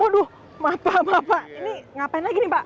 waduh apa apa ini ngapain lagi nih pak